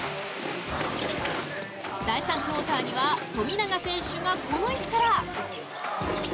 第３クオーターには富永選手がこの位置から。